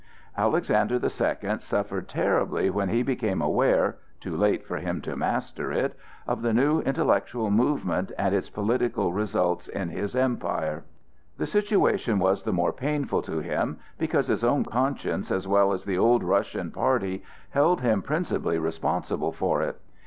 Alexander the Second suffered terribly when he became aware, too late for him to master it, of the new intellectual movement and its political results in his empire. The situation was the more painful to him, because his own conscience as well as the old Russian party held him principally responsible for it.